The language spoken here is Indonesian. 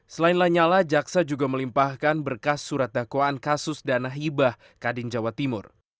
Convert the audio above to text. selain lanyala jaksa juga melimpahkan berkas surat dakwaan kasus dana hibah kadin jawa timur